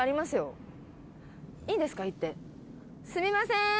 すいません。